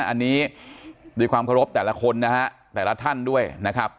อันนี้ด้วยความเคารพแต่ละคนนะฮะแต่ละท่านด้วยนะครับ